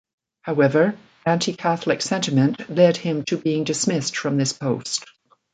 However, Anti-catholic sentiment led to him being dismissed from this post.